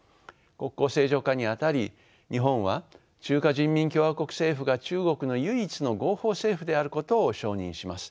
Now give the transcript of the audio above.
国交正常化にあたり日本は中華人民共和国政府が中国の唯一の合法政府であることを承認します。